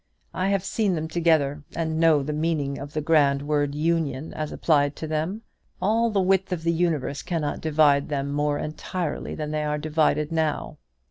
I have seen them together, and know the meaning of that grand word 'union' as applied to them. All the width of the universe cannot divide them more entirely than they are divided now.